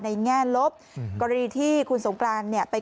ในแง่ลพเป็นกรณีที่คุณสงกรานไป